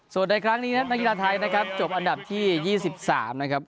ส่วนในครั้งนี้นะครับนักกีฬาไทยนะครับจบอันดับที่๒๓นะครับ